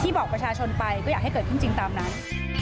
บอกประชาชนไปก็อยากให้เกิดขึ้นจริงตามนั้น